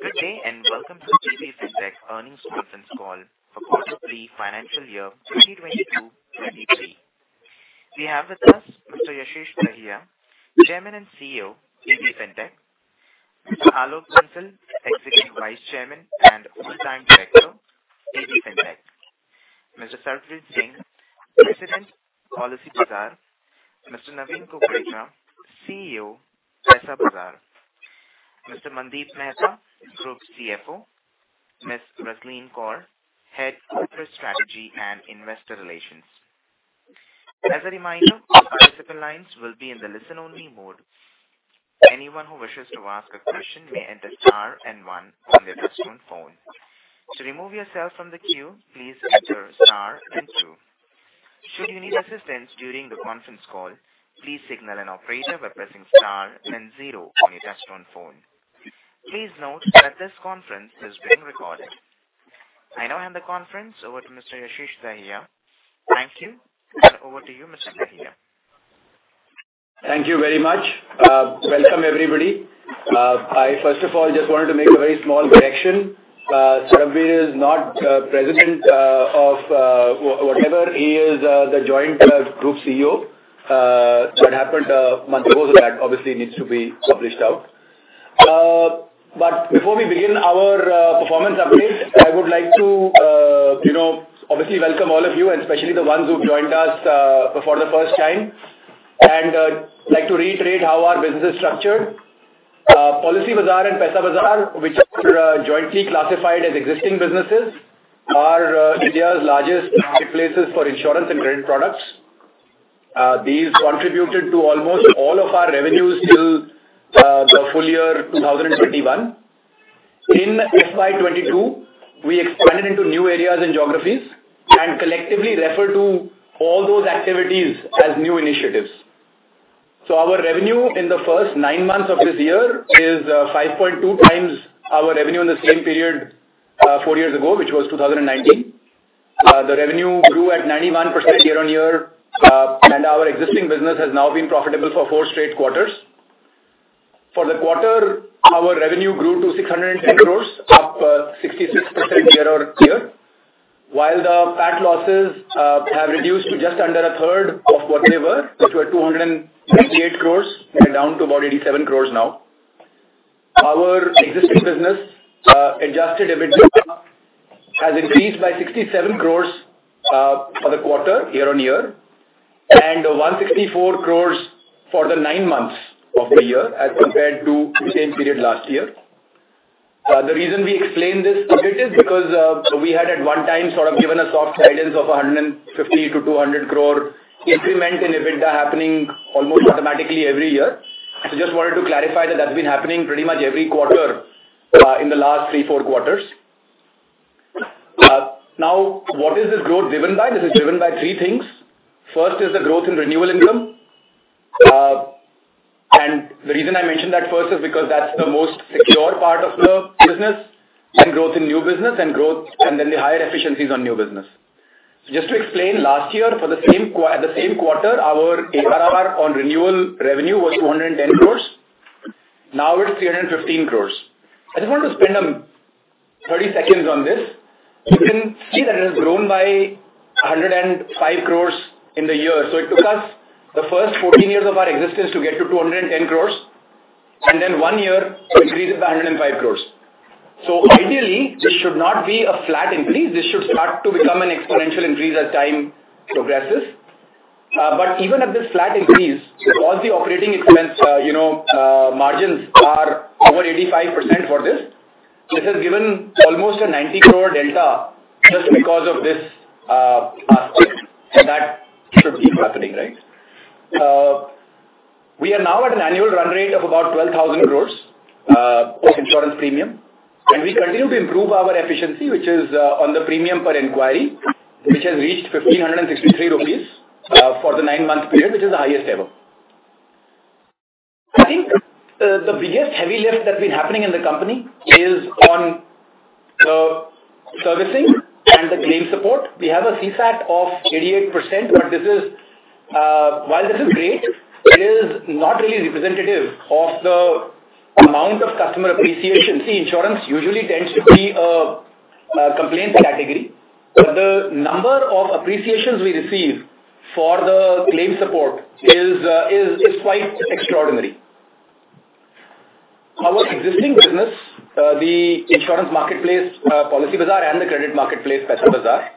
Good day, welcome to PB Fintech Earnings Conference Call for Q3 Financial Year 2022-2023. We have with us Mr. Yashish Dahiya, Chairman and CEO, PB Fintech. Mr. Alok Bansal, Executive Vice Chairman and Whole-Time Director, PB Fintech. Mr. Sarbvir Singh, President, Policybazaar. Mr. Naveen Kukreja, CEO, Paisabazaar. Mr. Mandeep Mehta, Group CFO. Ms. Rasleen Kaur, Head Corporate Strategy and Investor Relations. As a reminder, all participant lines will be in the listen-only mode. Anyone who wishes to ask a question may enter star one on their touchtone phone. To remove yourself from the queue, please enter star two. Should you need assistance during the conference call, please signal an operator by pressing star zero on your touchtone phone. Please note that this conference is being recorded. I now hand the conference over to Mr. Yashish Dahiya. Thank you. Over to you, Mr. Dahiya. Thank you very much. Welcome everybody. I first of all just wanted to make a very small correction. Sarbvir is not president of whatever. He is the Joint Group CEO. It happened a month ago, so that obviously needs to be published out. Before we begin our performance update, I would like to, you know, obviously welcome all of you, and especially the ones who've joined us for the first time, and like to reiterate how our business is structured. Policybazaar and Paisabazaar, which are jointly classified as existing businesses, are India's largest marketplaces for insurance and credit products. These contributed to almost all of our revenue still, the full year 2021. In FY22, we expanded into new areas and geographies and collectively refer to all those activities as new initiatives. Our revenue in the first nine months of this year is 5.2 times our revenue in the same period, four years ago, which was 2019. The revenue grew at 91% year-on-year, and our existing business has now been profitable for four straight quarters. For the quarter, our revenue grew to 610 crores, up 66% year-over-year. While the PAT losses have reduced to just under a third of what they were, which were 258 crores and are down to about 87 crores now. Our existing business, adjusted EBITDA has increased by 67 crores for the quarter year-on-year and 164 crores for the nine months of the year as compared to the same period last year. The reason we explain this EBITDA is because we had at one time sort of given a soft guidance of 150-200 crore increment in EBITDA happening almost automatically every year. Just wanted to clarify that that's been happening pretty much every quarter in the last three, four quarters. Now, what is this growth driven by? This is driven by three things. First is the growth in renewal income. The reason I mentioned that first is because that's the most secure part of the business and growth in new business and growth, and then the higher efficiencies on new business. Just to explain, last year for the same quarter, the same quarter, our ARR on renewal revenue was 210 crores. Now it's 315 crores. I just want to spend 30 seconds on this. You can see that it has grown by 105 crores in the year. It took us the first 1four years of our existence to get to 210 crores, and then one year it increases by 105 crores. Ideally, this should not be a flat increase. This should start to become an exponential increase as time progresses. But even at this flat increase, with all the operating increments, you know, margins are over 85% for this. This has given almost a 90 crore delta just because of this aspect that should keep happening, right? We are now at an annual run rate of about 12,000 crores of insurance premium. We continue to improve our efficiency, which is on the premium per inquiry, which has reached 1,563 rupees for the nine-month period, which is the highest ever. I think the biggest heavy lift that's been happening in the company is on servicing and the claim support. We have a CSAT of 88%, but this is. While this is great, it is not really representative of the amount of customer appreciation. See, insurance usually tends to be a complaints category. The number of appreciations we receive for the claim support is quite extraordinary. Our existing business, the insurance marketplace, Policybazaar, and the credit marketplace, Paisabazaar,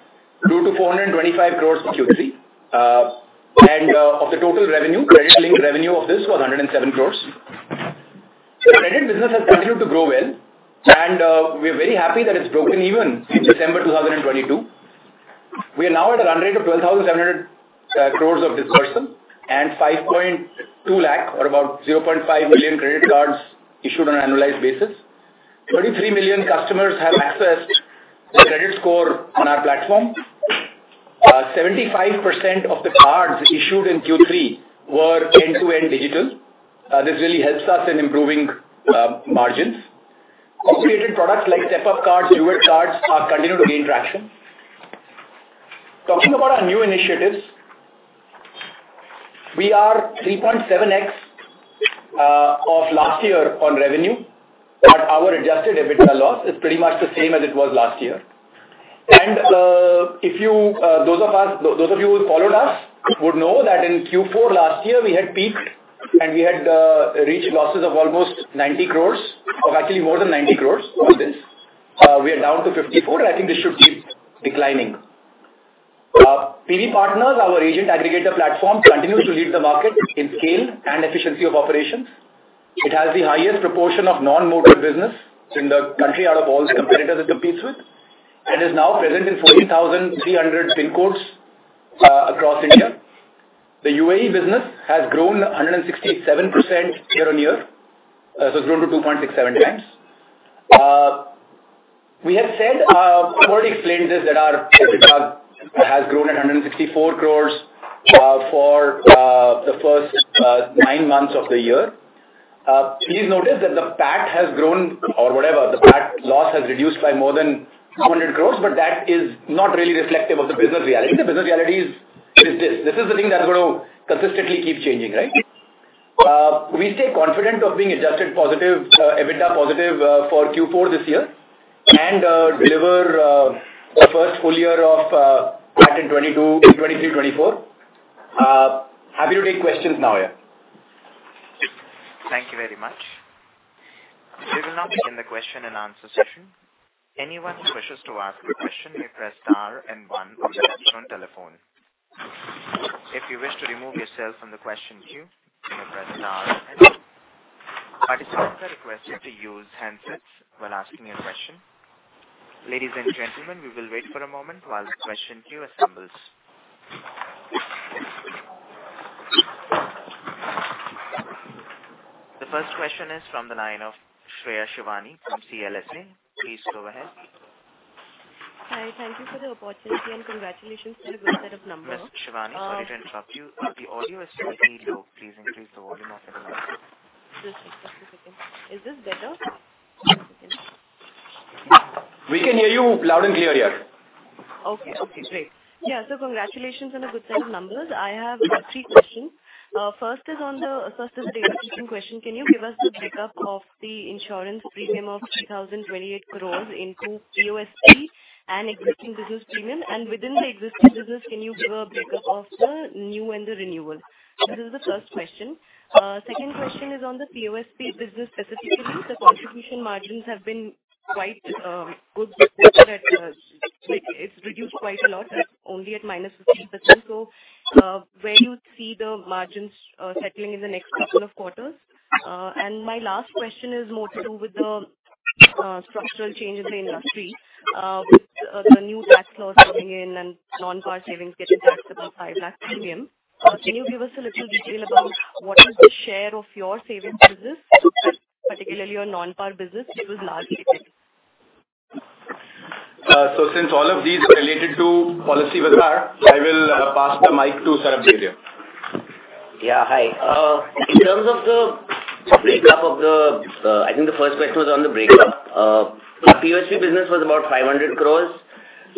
grew to 425 crores in Q3. Of the total revenue, credit linked revenue of this was 107 crores. Credit business has continued to grow well, and we're very happy that it's broken even in December 2022. We are now at a run rate of 12,700 crores of disbursement and 5.2 lakh or about 0.5 million credit cards issued on an annualized basis. 33 million customers have accessed their credit score on our platform. 75% of the cards issued in Q3 were end-to-end digital. This really helps us in improving margins. Co-created products like Step-up Cards, Duet Cards are continuing to gain traction. Talking about our new initiatives. We are 3.7x of last year on revenue, but our adjusted EBITDA loss is pretty much the same as it was last year. If you, those of you who followed us would know that in Q4 last year we had peaked and we had reached losses of almost 90 crores. Of actually more than 90 crores. We are down to 54, and I think this should keep declining. PB Partners, our agent aggregator platform, continues to lead the market in scale and efficiency of operations. It has the highest proportion of non-motor business in the country, out of all its competitors it competes with, and is now present in 14,300 pin codes across India. The UAE business has grown 167% year-on-year. So it's grown to 2.67x. We have said, already claimed this, that our EBITDA has grown at 164 crores for the first nine months of the year. Please notice that the PAT has grown or whatever, the PAT loss has reduced by more than 200 crores, that is not really reflective of the business reality. The business reality is this. This is the thing that's gonna consistently keep changing, right? We stay confident of being adjusted positive, EBITDA positive, for Q4 this year and deliver a first full year of PAT in 2022, 2023, 2024. Happy to take questions now, yeah. Thank you very much. We will now begin the question and answer session. Anyone who wishes to ask a question may press star and one on their telephone. If you wish to remove yourself from the question queue, you may press star and two. Participants are requested to use handsets when asking a question. Ladies and gentlemen, we will wait for a moment while the question queue assembles. The first question is from the line of Shreya Shivani from CLSA. Please go ahead. Hi. Thank you for the opportunity and congratulations for a good set of numbers. Ms. Shivani, sorry to interrupt you. The audio is slightly low. Please increase the volume of your line. Just a second. Is this better? One second. We can hear you loud and clear, yeah. Okay. Okay, great. Yeah. Congratulations on a good set of numbers. I have three questions. First is data question. Can you give us the breakup of the insurance premium of 3,028 crores into POSP and existing business premium? Within the existing business, can you give a breakup of the new and the renewal? This is the first question. Second question is on the POSP business specifically. The contribution margins have been quite good this quarter at, it's reduced quite a lot. It's only at minus 15%. Where you see the margins settling in the next couple of quarters? My last question is more to do with the structural change in the industry, with the new tax laws coming in and non-par savings getting taxed above 5 lakh premium. Can you give us a little detail about what is the share of your savings business, particularly your non-par business, which was largely hit? Since all of these are related to Policybazaar, I will, pass the mic to Sarbvir Singh. Hi. In terms of the breakup of the, I think the first question was on the breakup. Our PoSP business was about 500 crores.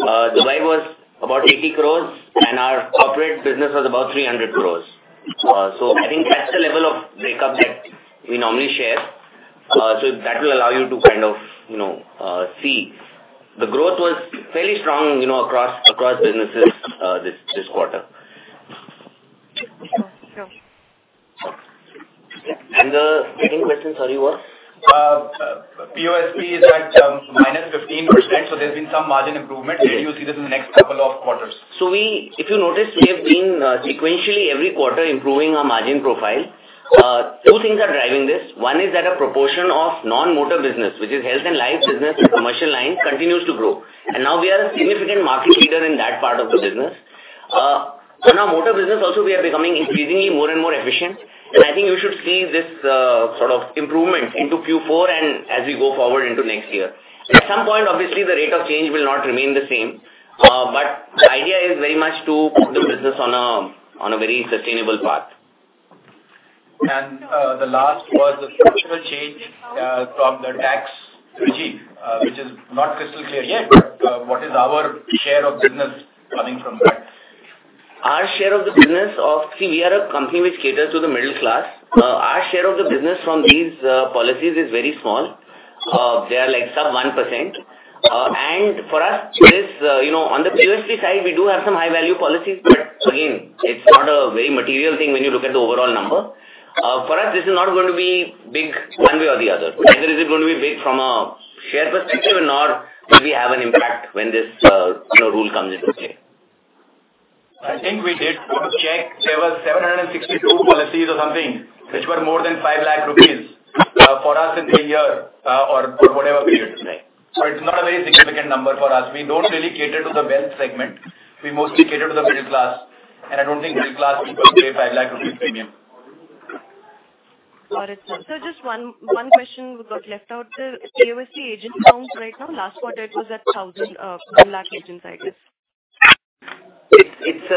Dubai was about 80 crores, and our corporate business was about 300 crores. I think that's the level of breakup that we normally share. That will allow you to kind of, you know, see. The growth was fairly strong, you know, across businesses, this quarter. Sure. Sure. The second question, sorry, was? POSP is at -15%, so there's been some margin improvement. Where do you see this in the next couple of quarters? If you notice, we have been sequentially every quarter improving our margin profile. Two things are driving this. One is that a proportion of non-motor business, which is health and life business and commercial line, continues to grow. Now we are a significant market leader in that part of the business. Now motor business also we are becoming increasingly more and more efficient. I think you should see this sort of improvement into Q4 and as we go forward into next year. At some point, obviously, the rate of change will not remain the same. But the idea is very much to put the business on a very sustainable path. The last was the structural change from the tax regime, which is not crystal clear yet. What is our share of business coming from that? Our share of the business. See, we are a company which caters to the middle class. Our share of the business from these policies is very small. They are, like, sub 1%. For us this, you know, on the PoSP side, we do have some high value policies. Again, it's not a very material thing when you look at the overall number. For us, this is not going to be big one way or the other. Neither is it going to be big from a share perspective, nor will we have an impact when this, you know, rule comes into play. I think we did check. There were 762 policies or something which were more than 5 lakh rupees for us in the year, or whatever period. Right. It's not a very significant number for us. We don't really cater to the wealth segment. We mostly cater to the middle class. I don't think middle class people pay 5 lakh rupees premium. Got it. Just one question got left out. The POSP agent count right now, last quarter it was at 1,000,000 agents, I guess. It's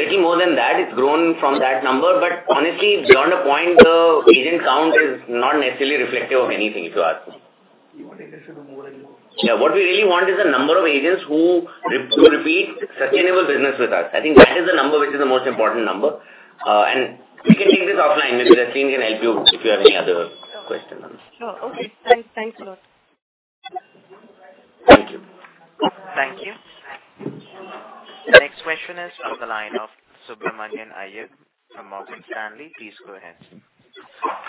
little more than that. It's grown from that number. Honestly, beyond a point, the agent count is not necessarily reflective of anything, if you ask me. Yeah. What we really want is the number of agents who repeat sustainable business with us. I think that is the number which is the most important number. We can take this offline. Maybe Rasleen can help you if you have any other questions on this. Sure. Okay. Thanks. Thanks a lot. Thank you. Thank you. The next question is from the line of Subramanian Iyer from Morgan Stanley. Please go ahead.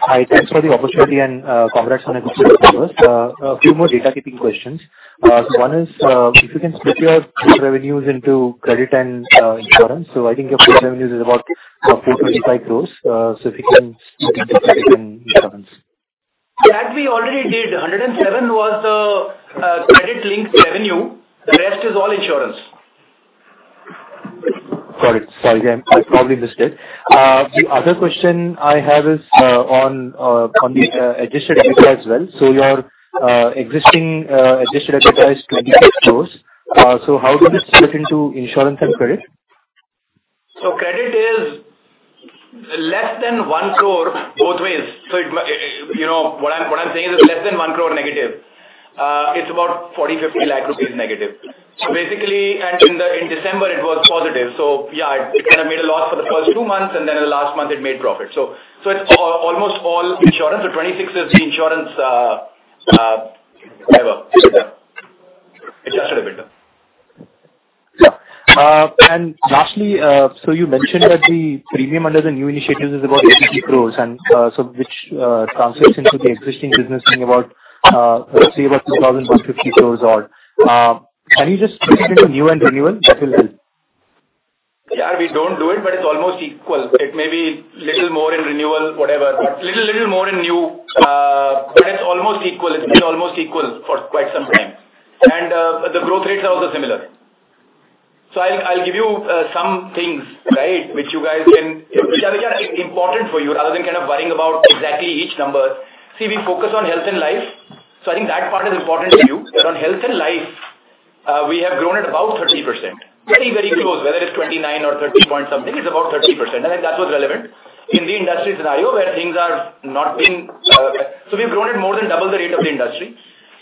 Hi. Thanks for the opportunity and congrats on a good set of numbers. A few more data-keeping questions. One is, if you can split your revenues into credit and insurance. I think your credit revenues is about 4.5 crores. If you can split it between credit and insurance. That we already did. 107 was credit-linked revenue. The rest is all insurance. Got it. Sorry, I probably missed it. The other question I have is on the adjusted EBITDA as well. Your existing adjusted EBITDA is 26 crore. How does it split into insurance and credit? Credit is less than 1 crore both ways. You know, what I'm saying is it's less than 1 crore negative. It's about 40, 50 lakh rupees negative. In December it was positive. It kind of made a loss for the first two months, and then in the last month it made profit. It's almost all insurance. 26 is the insurance, whatever, EBITDA. Adjusted EBITDA. Yeah. Lastly, so you mentioned that the premium under the new initiatives is about 80 crores and which translates into the existing business being about, say about 2,050 crores odd. Can you just split it into new and renewal? That will help. Yeah, we don't do it, but it's almost equal. It may be little more in renewal, whatever, but little more in new. It's almost equal. It's been almost equal for quite some time. The growth rates are also similar. I'll give you some things, right, which you guys can. Which are important for you other than kind of worrying about exactly each number. See, we focus on health and life, so I think that part is important to you. On health and life, we have grown at about 30%. Very, very close, whether it's 29 or 30 point something, it's about 30% and I think that's what's relevant. In the industry scenario where things are not been... We've grown at more than double the rate of the industry.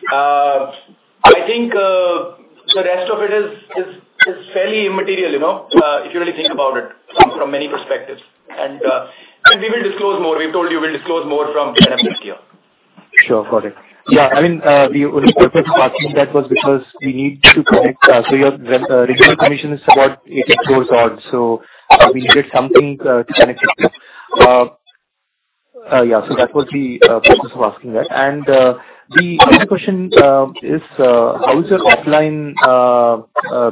I think, the rest of it is fairly immaterial, you know, if you really think about it from many perspectives. We will disclose more. We've told you we'll disclose more from January next year. Sure. Got it. Yeah. I mean, the only purpose of asking that was because we need to connect. So your renewal commission is about 80 crore odd, so we needed something to kind of check. Yeah, so that was the purpose of asking that. The other question is how is your offline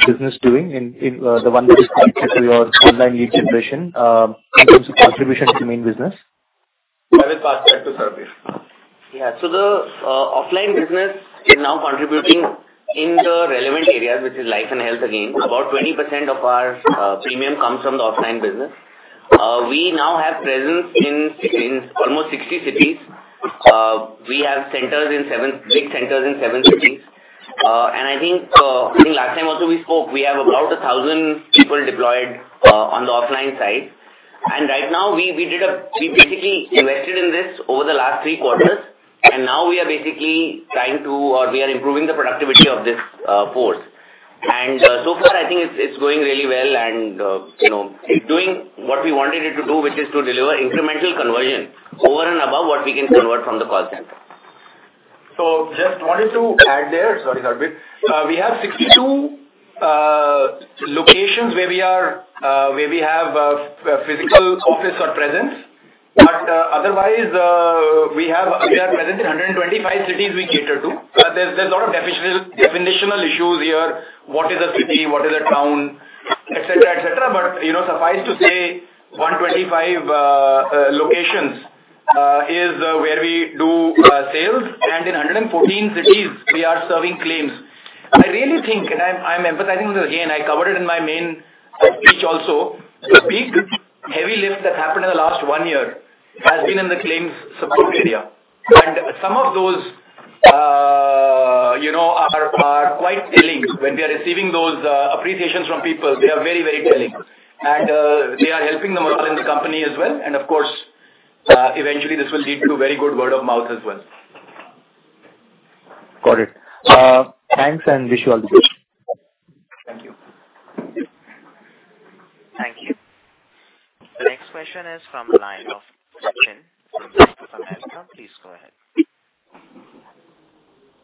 business doing in the one that is connected to your online lead generation in terms of contribution to the main business? I will pass that to Sarbvir. The offline business is now contributing in the relevant areas, which is life and health again. About 20% of our premium comes from the offline business. We now have presence in almost 60 cities. We have centers in seven big centers in seven cities. I think, I think last time also we spoke, we have about 1,000 people deployed on the offline side. Right now we basically invested in this over the last three quarters, and now we are basically trying to or we are improving the productivity of this force. So far I think it's going really well and, you know, it's doing what we wanted it to do, which is to deliver incremental conversion over and above what we can convert from the call center. Just wanted to add there. Sorry, Sarbvir Singh. We have 62 locations where we are where we have a physical office or presence. Otherwise, we are present in 125 cities we cater to. There's a lot of definitional issues here. What is a city? What is a town? Et cetera, et cetera. You know, suffice to say 125 locations is where we do sales and in 114 cities we are serving claims. I really think, and I'm emphasizing this again, I covered it in my main speech also. The big heavy lift that's happened in the last 1 year has been in the claims support area. Some of those, you know, are quite telling. When we are receiving those, appreciations from people, they are very, very telling. They are helping the morale in the company as well. Of course, eventually this will lead to very good word of mouth as well. Got it. Thanks and wish you all the best. Thank you. Thank you. The next question is from the line of Sachin from ASCA. Please go ahead.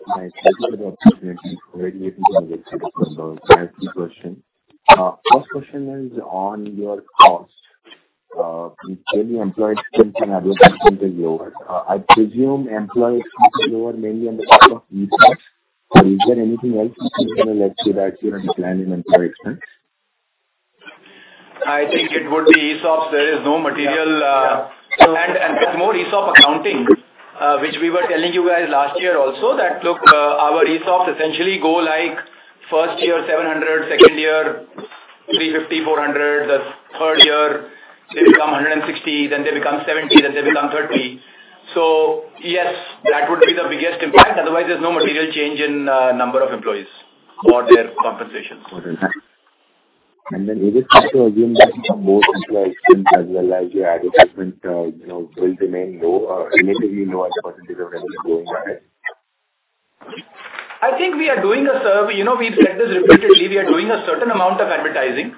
Hi. Thank you for the opportunity. Yeah. I have two questions. First question is on your costs. Usually employee expense and advert expense is lower. I presume employee expense is lower mainly on the back of ESOPs. Is there anything else you can kind of let us know that you're planning on employee expense? I think it would be ESOPs. There is no material. It's more ESOP accounting, which we were telling you guys last year also that look, our ESOPs essentially go like first year 700, second year 350, 400. The third year they become 160, then they become 70, then they become 30. Yes, that would be the biggest impact. Otherwise, there's no material change in number of employees. Correct. Is it fair to assume that your core employee strength as well as your advertisement, you know, will remain low or relatively low as a % of revenue going ahead? You know, we've said this repeatedly, we are doing a certain amount of advertising,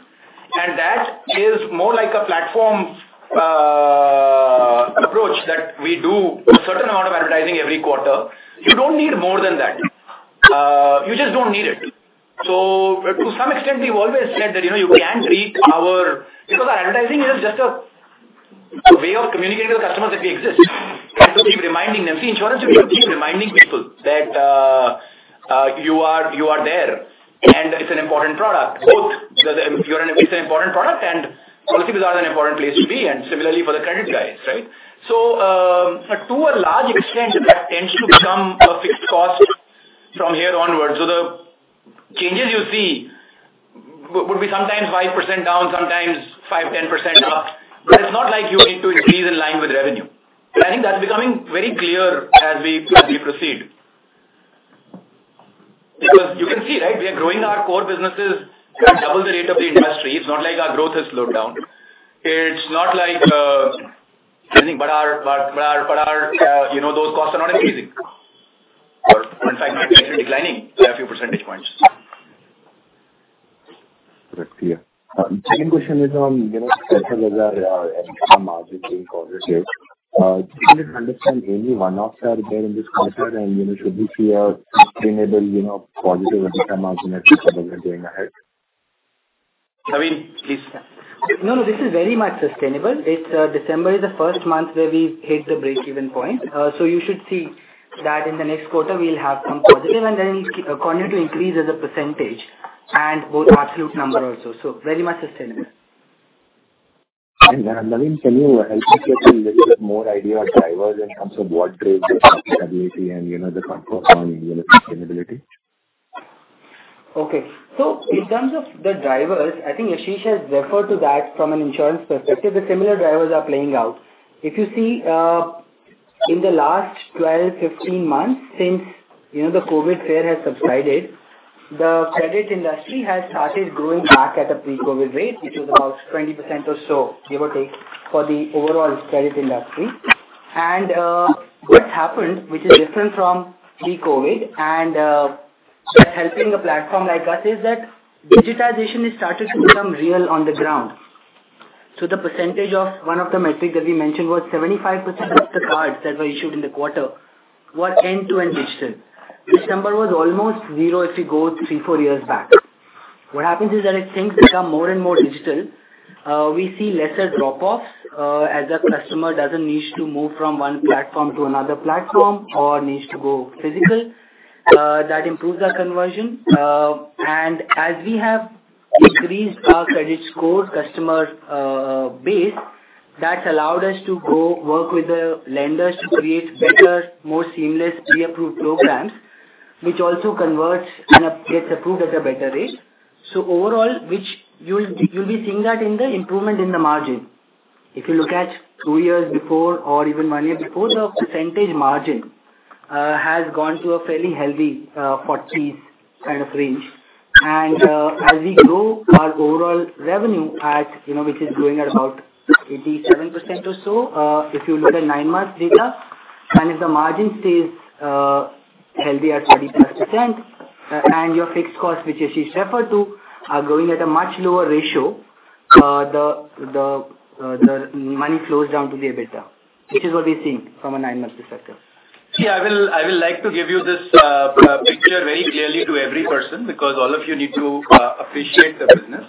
that is more like a platform approach that we do a certain amount of advertising every quarter. You don't need more than that. You just don't need it. To some extent, we've always said that, you know, you can't read. Our advertising is just a way of communicating to the customers that we exist and to keep reminding them. Insurance you've to keep reminding people that you are there, and it's an important product, both. It's an important product and Policybazaar is an important place to be, and similarly for the credit guys, right? To a large extent, that tends to become a fixed cost from here onwards. The changes you see would be sometimes 5% down, sometimes 5%-10% up. It's not like you need to increase in line with revenue. I think that's becoming very clear as we proceed. You can see, right? We are growing our core businesses at double the rate of the industry. It's not like our growth has slowed down. It's not like anything, but our, you know, those costs are not increasing. Or in fact, they're declining by a few percentage points. Correct. Yeah. Second question is on, you know, as well as our EBITDA margin being positive. Just to understand any one-offs are there in this quarter, and, you know, should we see a sustainable, you know, positive EBITDA margin at least going ahead? Naveen, please. No, no, this is very much sustainable. It's, December is the first month where we've hit the break-even point. You should see that in the next quarter we'll have some positive and then continue to increase as a percentage and both absolute number also. Very much sustainable. Naveen, can you help us get a little bit more idea of drivers in terms of what drove the profitability and, you know, the comfort on, you know, sustainability? In terms of the drivers, I think Yashish has referred to that from an insurance perspective. The similar drivers are playing out. If you see, in the last 12, 15 months since, you know, the COVID fear has subsided, the credit industry has started growing back at a pre-COVID rate, which was about 20% or so, give or take, for the overall credit industry. What's happened, which is different from pre-COVID and, that helping a platform like us is that digitization has started to become real on the ground. The percentage of one of the metrics that we mentioned was 75% of the cards that were issued in the quarter were end-to-end digital. This number was almost zero if you go three, four years back. What happens is that as things become more and more digital, we see lesser drop-offs, as a customer doesn't need to move from one platform to another platform or needs to go physical. That improves our conversion. And as we have increased our credit score customer base, that's allowed us to go work with the lenders to create better, more seamless pre-approved programs, which also converts and gets approved at a better rate. Overall, which you'll be seeing that in the improvement in the margin. If you look at two years before or even 1 year before, the percentage margin has gone to a fairly healthy, 40s kind of range. As we grow our overall revenue at, you know, which is growing at about 87% or so, if you look at nine months data, and if the margin stays healthy at 40%+, and your fixed costs, which Yashish referred to, are growing at a much lower ratio, the money flows down to the EBITDA, which is what we're seeing from a nine-month perspective. Yeah, I will like to give you this picture very clearly to every person because all of you need to appreciate the business.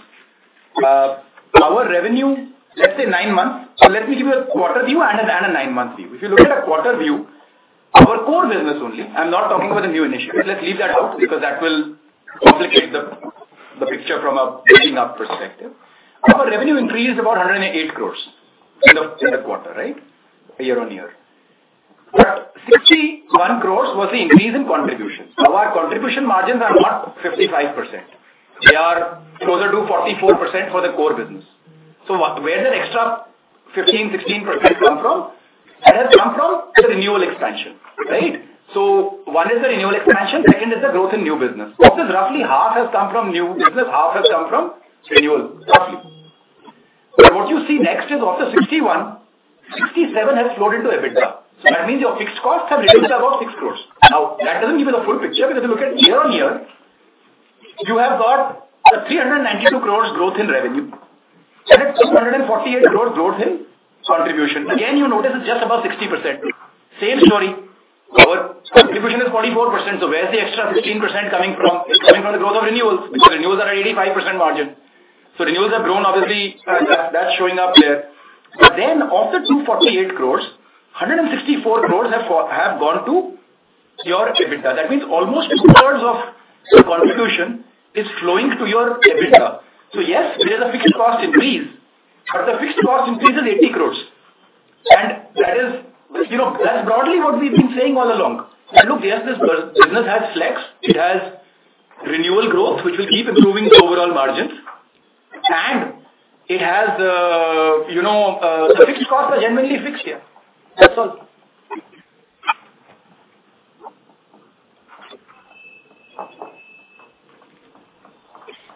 Our revenue, let's say nine months. Let me give you a quarter view and a nine-month view. If you look at a quarter view, our core business only, I'm not talking about the new initiatives. Let's leave that out because that will complicate the picture from a digging up perspective. Our revenue increased about 108 crores in the quarter, right? Year on year. 61 crores was the increase in contributions. Our contribution margins are not 55%. They are closer to 44% for the core business. Where did extra 15%, 16% come from? It has come from the renewal expansion, right? One is the renewal expansion, second is the growth in new business. Of this, roughly half has come from new business, half has come from renewal, roughly. What you see next is of the 61, 67 has flowed into EBITDA. That means your fixed costs have reduced about 6 crores. That doesn't give you the full picture, because if you look at year-on-year, you have got a 392 crores growth in revenue and 648 crores growth in contribution. You notice it's just above 60%. Same story. Our contribution is 44%, so where's the extra 16% coming from? It's coming from the growth of renewals. Renewals are at 85% margin. Renewals have grown, obviously, and that's showing up there. Of the 248 crores, 164 crores have gone to your EBITDA. That means almost 2/3 of your contribution is flowing to your EBITDA. Yes, there's a fixed cost increase, but the fixed cost increase is 80 crores. That is, you know, that's broadly what we've been saying all along. That look, yes, this business has flex, it has renewal growth, which will keep improving the overall margins. Fixed costs are genuinely fixed, yeah. That's all.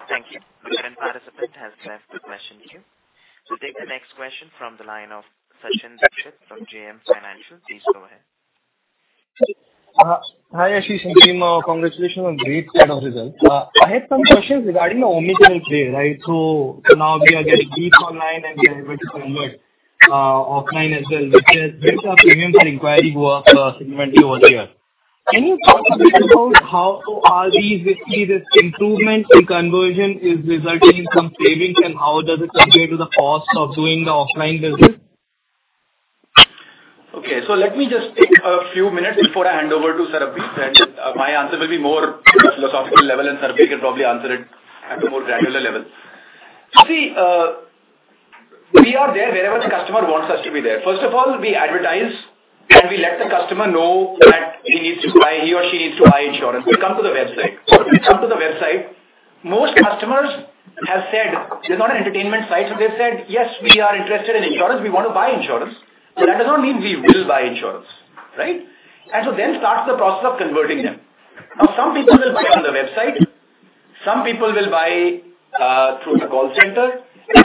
Thank you. Participant has left the question queue. We'll take the next question from the line of Sachin Dixit from JM Financial. Please go ahead. Hi, Yashish and team. Congratulations on great set of results. I had some questions regarding the omnichannel play, right? Now we are getting leads online, and we are able to convert offline as well, which has been our premium for inquiry work significantly over the year. Can you talk a bit about how are these, say, these improvements in conversion is resulting in some savings, and how does it compare to the cost of doing the offline business? Okay. Let me just take a few minutes before I hand over to Sarbvir. My answer will be more philosophical level, and Sarbvir can probably answer it at a more granular level. See, we are there wherever the customer wants us to be there. First of all, we advertise, and we let the customer know that he or she needs to buy insurance. They come to the website. Most customers have said it's not an entertainment site. They've said, "Yes, we are interested in insurance. We want to buy insurance." That does not mean we will buy insurance, right? Then starts the process of converting them. Some people will buy on the website, some people will buy through the call center.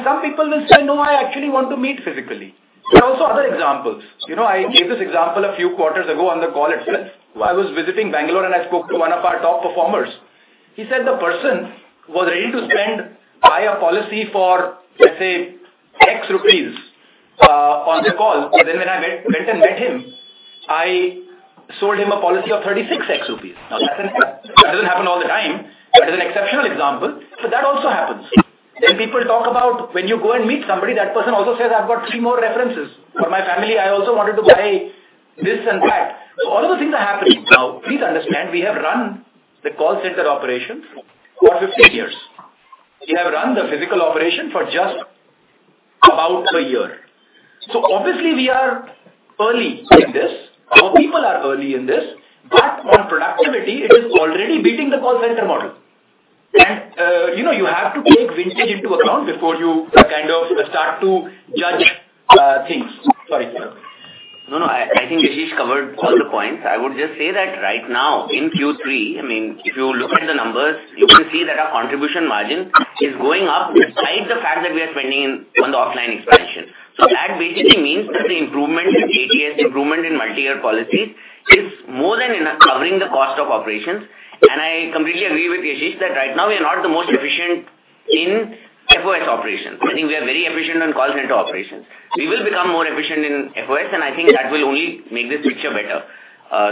Some people will say, "No, I actually want to meet physically." There are also other examples. You know, I gave this example a few quarters ago on the call itself. I was visiting Bangalore. I spoke to one of our top performers. He said the person was ready to spend, buy a policy for, let's say, INR X on the call. When I went and met him, I sold him a policy of 36 rupees X. That doesn't happen all the time. That is an exceptional example. That also happens. People talk about when you go and meet somebody, that person also says, "I've got three more references. For my family, I also wanted to buy this and that." All of the things are happening. Now, please understand, we have run the call center operations for 15 years. We have run the physical operation for just about a year. Obviously we are early in this. Our people are early in this, but on productivity, it is already beating the call center model. You know, you have to take vintage into account before you kind of start to judge things. Sorry, Sarbvir. No, no. I think Yashish covered all the points. I would just say that right now in Q3, I mean, if you look at the numbers, you can see that our contribution margin is going up despite the fact that we are spending on the offline expansion. That basically means that the improvement in ATS, improvement in multi-year policies is more than enough covering the cost of operations. I completely agree with Yashish that right now we are not the most efficient in FOS operations. I think we are very efficient on call center operations. We will become more efficient in FOS, and I think that will only make this picture better.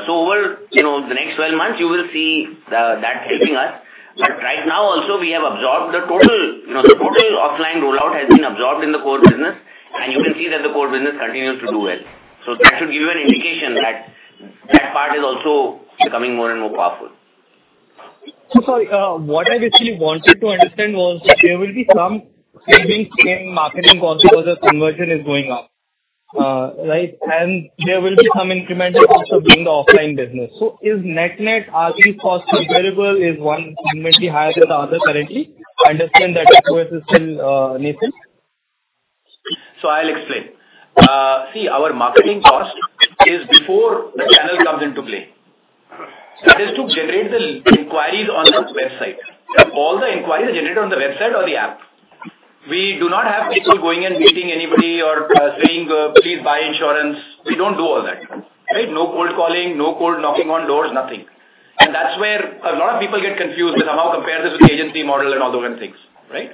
Over, you know, the next 12 months you will see that helping us. Right now also we have absorbed the total, you know, the total offline rollout has been absorbed in the core business, and you can see that the core business continues to do well. That should give you an indication that that part is also becoming more and more powerful. So sorry. What I basically wanted to understand was there will be some savings in marketing costs because the conversion is going up. Right? There will be some incremental cost of doing the offline business. Is net-net are the costs comparable? Is one significantly higher than the other currently? I understand that FOS is still nascent. I'll explain. See, our marketing cost is before the channel comes into play. That is to generate the inquiries on the website. All the inquiries are generated on the website or the app. We do not have people going and meeting anybody or saying, "Please buy insurance." We don't do all that. Right? No cold calling, no cold knocking on doors, nothing. That's where a lot of people get confused with how compare this with the agency model and all those kind of things, right?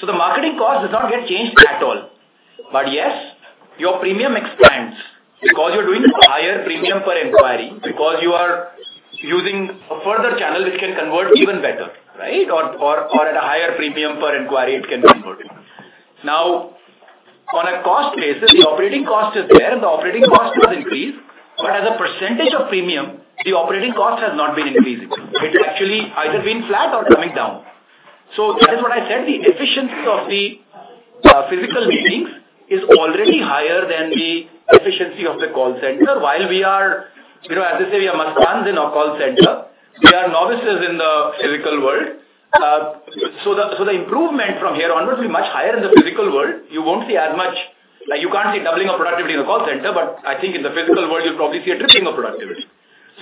The marketing cost does not get changed at all. Yes, your premium expands because you're doing higher premium per inquiry, because you are using a further channel which can convert even better, right? Or at a higher premium per inquiry it can convert. On a cost basis, the operating cost is there, and the operating cost has increased. As a percentage of premium, the operating cost has not been increasing. It's actually either been flat or coming down. That is what I said, the efficiency of the physical meetings is already higher than the efficiency of the call center. While we are, you know, as I say, we are mastans in our call center, we are novices in the physical world. The improvement from here onwards will be much higher in the physical world. You won't see as much. Like, you can't say doubling of productivity in the call center, but I think in the physical world you'll probably see a tripling of productivity.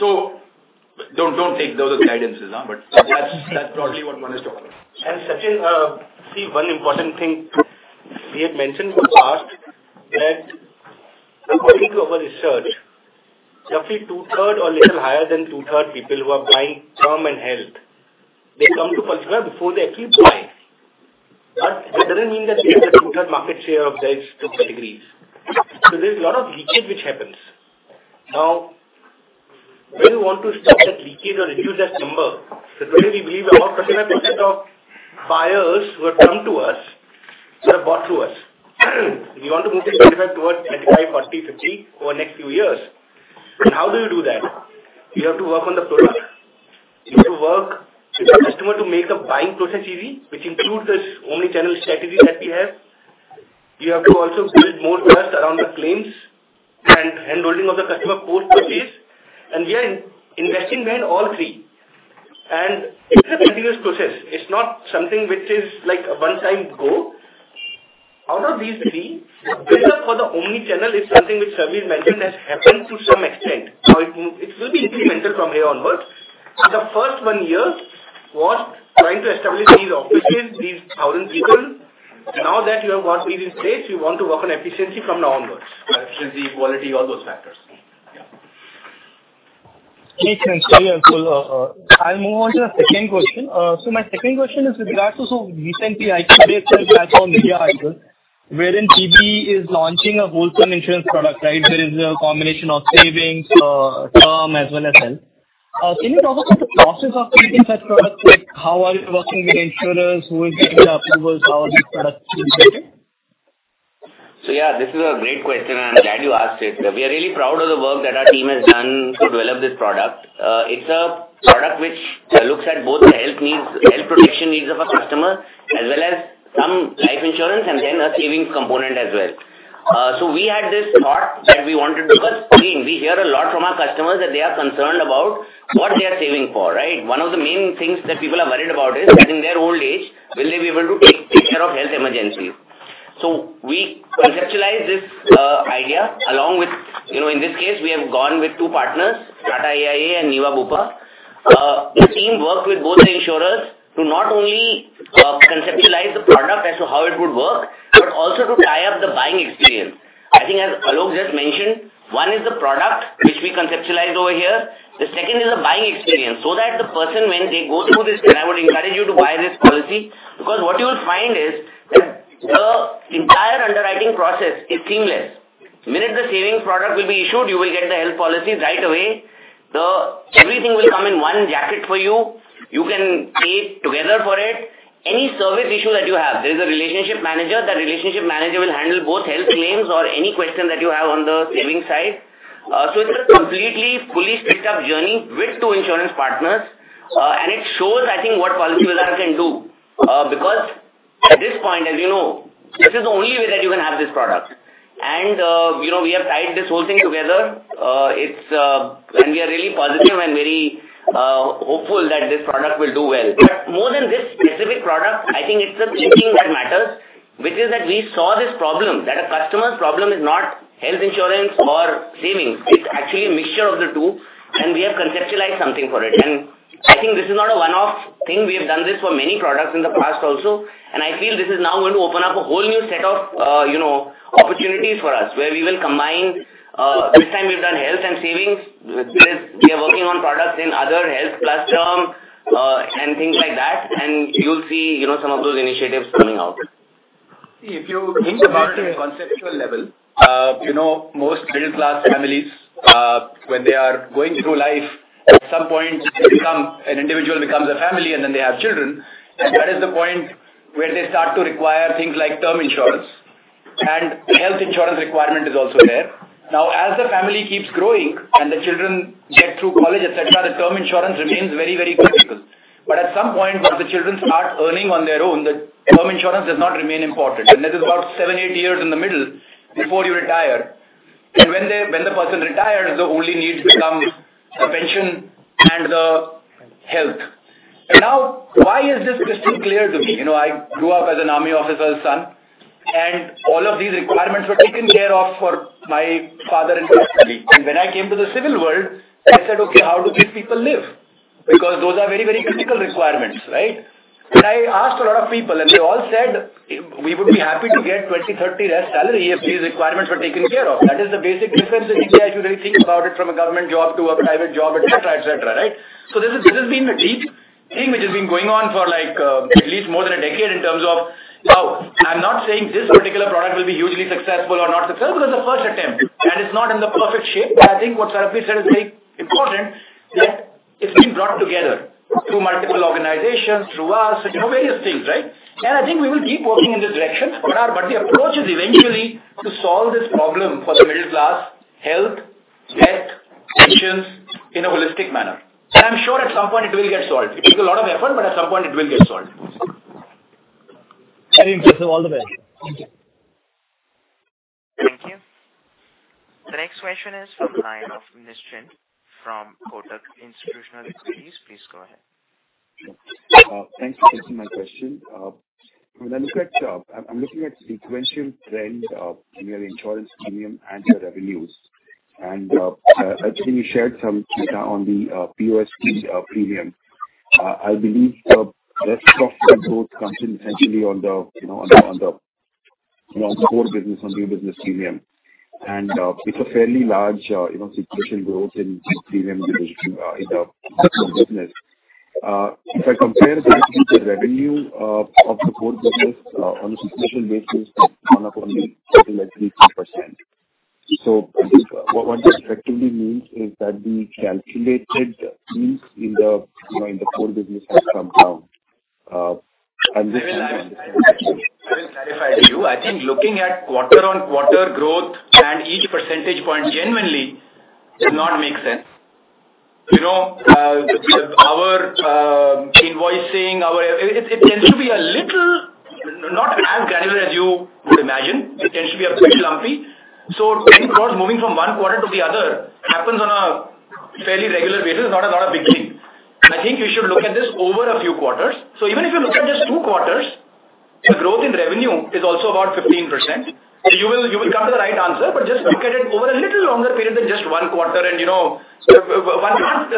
Don't take those as guidances, but that's probably what one is talking about. Sachin, see one important thing we had mentioned in the past that according to our research, roughly 2/3 or little higher than 2/3 people who are buying term and health, they come to compare before they actually buy. That doesn't mean that we have the 2/3 market share of those two categories. There's a lot of leakage which happens. Where you want to stop that leakage or reduce that number, that's where we believe our customer percent of buyers who have come to us, who have bought through us, we want to move this percentage towards 35, 40, 50 over the next few years. How do you do that? You have to work on the product. You have to work with your customer to make the buying process easy, which includes this omnichannel strategy that we have. You have to also build more trust around the claims. Hand holding of the customer post purchase. We are investing in all three. It's a continuous process. It's not something which is like a one-time go. Out of these three, build up for the omnichannel is something which Sarbvir mentioned has happened to some extent. Now, it will be incremental from here onwards. The first one year was trying to establish these offices, these 1,000 people. Now that you have got these in place, you want to work on efficiency from now onwards, right? Which is the quality, all those factors. Yeah. Okay, thanks. Thank you. I'll move on to the second question. My second question is with regards to so recently I came across a platform media article wherein PB is launching a wholesale insurance product, right? Where is a combination of savings, term as well as health. Can you talk us through the process of creating such products? Like how are you working with insurers? Who is giving the approvals? How are these products being created? Yeah, this is a great question, and I'm glad you asked it. We are really proud of the work that our team has done to develop this product. It's a product which looks at both health needs, health protection needs of a customer, as well as some life insurance and then a savings component as well. We had this thought that we wanted to. Because we hear a lot from our customers that they are concerned about what they are saving for, right? One of the main things that people are worried about is that in their old age will they be able to take care of health emergencies. We conceptualized this idea along with, you know, in this case we have gone with two partners, Tata AIA and Niva Bupa. The team worked with both the insurers to not only conceptualize the product as to how it would work, but also to tie up the buying experience. I think as Alok just mentioned, one is the product which we conceptualize over here. The second is the buying experience, so that the person when they go through this and I would encourage you to buy this policy, because what you'll find is that the entire underwriting process is seamless. The minute the savings product will be issued, you will get the health policy right away. Everything will come in one jacket for you. You can pay together for it. Any service issue that you have, there is a relationship manager. That relationship manager will handle both health claims or any question that you have on the savings side. It's a completely fully stacked up journey with two insurance partners. It shows, I think what Policybazaar can do. Because at this point, as you know, this is the only way that you can have this product. You know, we have tied this whole thing together. We are really positive and very hopeful that this product will do well. More than this specific product, I think it's the thinking that matters, which is that we saw this problem, that a customer's problem is not health insurance or savings. It's actually a mixture of the two, and we have conceptualized something for it. I think this is not a one-off thing. We have done this for many products in the past also, I feel this is now going to open up a whole new set of, you know, opportunities for us where we will combine, this time we've done health and savings. With this we are working on products in other health plus term, and things like that. You'll see, you know, some of those initiatives coming out. If you think about it at a conceptual level, you know, most middle class families, when they are going through life, at some point an individual becomes a family and then they have children. That is the point where they start to require things like term insurance and health insurance requirement is also there. As the family keeps growing and the children get through college, et cetera, the term insurance remains very, very critical. At some point when the children start earning on their own, the term insurance does not remain important. This is about seven, eight years in the middle before you retire. When the person retires, the only needs become the pension and the health. Why is this crystal clear to me? You know, I grew up as an army officer's son, and all of these requirements were taken care of for my father and for myself. When I came to the civil world, I said, "Okay, how do these people live?" Because those are very, very critical requirements, right? I asked a lot of people, and they all said, "We would be happy to get 20, 30 less salary if these requirements were taken care of." That is the basic difference if you really think about it from a government job to a private job, et cetera, et cetera, right? This has, this has been a deep thing which has been going on for like, at least more than a decade in terms of how. I'm not saying this particular product will be hugely successful or not successful. This is the first attempt and it's not in the perfect shape. I think what Sarbvir said is very important, that it's been brought together through multiple organizations, through us, you know, various things, right? I think we will keep working in this direction. The approach is eventually to solve this problem for the middle class, health, debt, pensions in a holistic manner. I'm sure at some point it will get solved. It takes a lot of effort, but at some point it will get solved. Very impressive. All the best. Thank you. Thank you. The next question is from Chawathe of Nischint from Kotak Institutional Equities. Please go ahead. Thanks for taking my question. When I look at, I'm looking at sequential trends in your insurance premium and your revenues. Actually you shared some data on the PoSP premium. I believe the rest of that growth comes in essentially on the, you know, on the, you know, on the core business, on new business premium. It's a fairly large, you know, sequential growth in this premium division in the business. If I compare this with the revenue of the core business on a sequential basis, that's gone up only something like 3%, 4%. I think what this effectively means is that the calculated fees in the, you know, in the core business has come down. This is- I will clarify to you. I think looking at quarter-on-quarter growth and each percentage point genuinely does not make sense. You know, as you would imagine, it tends to be a bit lumpy. Any growth moving from one quarter to the other happens on a fairly regular basis, not a lot of big gain. I think you should look at this over a few quarters. Even if you look at just two quarters, the growth in revenue is also about 15%. You will come to the right answer, but just look at it over a little longer period than just one quarter. You know, one can't,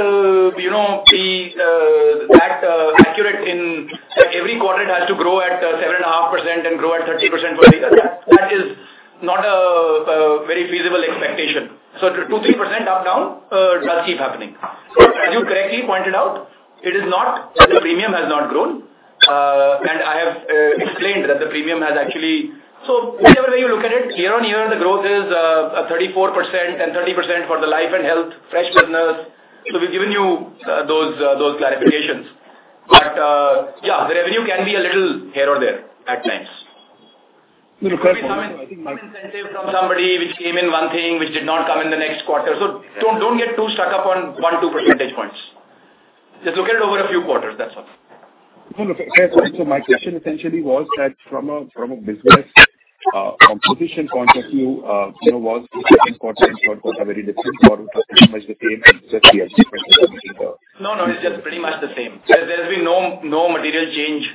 you know, be that accurate in every quarter it has to grow at 7.5% and grow at 13% for a year. That is not a very feasible expectation. 2, 3% up down does keep happening. As you correctly pointed out, it is not that the premium has not grown. I have explained that the premium has actually. Whichever way you look at it, year-on-year, the growth is 34% and 30% for the life and health fresh business. We've given you those clarifications. Yeah, the revenue can be a little here or there at times. Incentive from somebody which came in one thing which did not come in the next quarter. Don't get too stuck up on one, two percentage points. Just look at it over a few quarters, that's all. No, no. My question essentially was that from a business, composition point of view, you know, was the second quarter and third quarter very different or pretty much the same? No, no, it's just pretty much the same. There's been no material change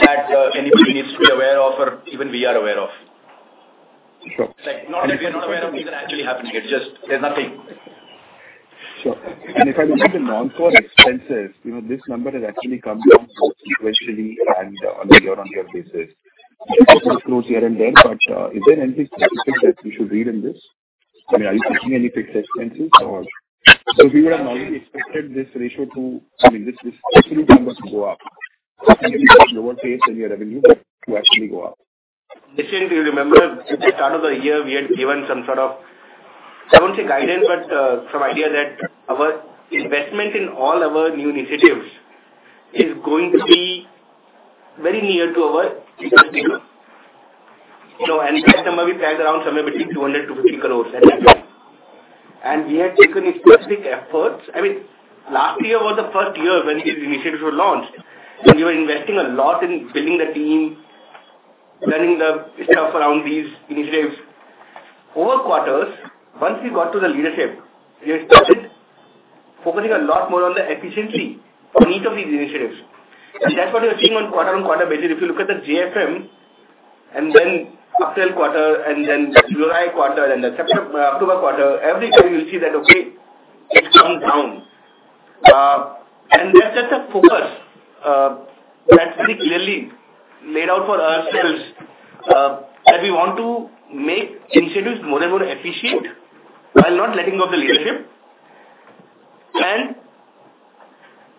that anybody needs to be aware of or even we are aware of. Sure. It's like not that we are not aware of things are actually happening. It's just there's nothing. Sure. If I look at the non-core expenses, you know, this number has actually come down sequentially and on a year-on-year basis here and there. Is there anything specific that we should read in this? I mean, are you taking any fixed expenses or? We would have normally expected this ratio to, I mean, this absolute number to go up. Maybe at a lower pace than your revenue, but to actually go up. Definitely remember at the start of the year, we had given some sort of, I won't say guidance, but some idea that our investment in all our new initiatives is going to be very near to our You know, and that number we planned around somewhere between 200 crore-250 crore. That's it. We had taken specific efforts. I mean, last year was the first year when these initiatives were launched. We were investing a lot in building the team, learning the stuff around these initiatives. Over quarters, once we got to the leadership, we started focusing a lot more on the efficiency on each of these initiatives. That's what you're seeing on quarter-on-quarter basis. If you look at the JFM and then April quarter and then July quarter and then September, October quarter, every time you'll see that, okay, it comes down. That's just a focus that we clearly laid out for ourselves that we want to make initiatives more and more efficient while not letting go of the leadership.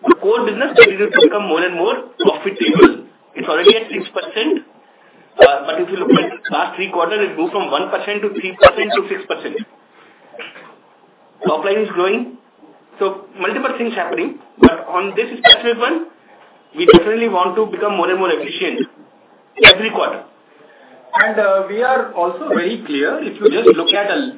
The core business will become more and more profitable. It's already at 6%. If you look at the last three quarters, it moved from 1% to 3% to 6%. Top line is growing. Multiple things happening. On this particular one, we definitely want to become more and more efficient every quarter. We are also very clear. If you just look at a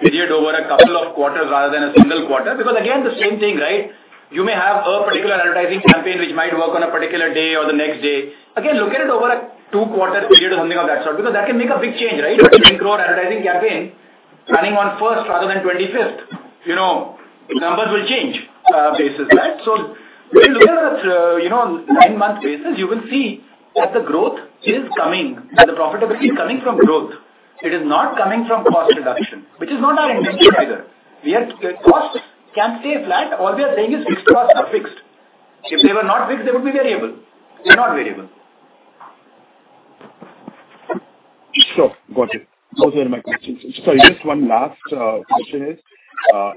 period over a couple of quarters rather than a single quarter, because again, the same thing, right? You may have a particular advertising campaign which might work on a particular day or the next day. Again, look at it over a two-quarter period or something of that sort, because that can make a big change, right? A 10 crore advertising campaign running on first rather than 25th, you know, numbers will change basis that. When you look at a, you know, nine-month basis, you will see that the growth is coming and the profitability is coming from growth. It is not coming from cost reduction, which is not our intention either. Costs can stay flat. All we are saying is fixed costs are fixed. If they were not fixed, they would be variable. They're not variable. Sure. Got it. Those were my questions. Sorry, just one last question is,